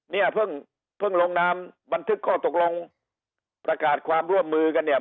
เนี่ยเพิ่งเพิ่งลงนามบันทึกข้อตกลงประกาศความร่วมมือกันเนี่ย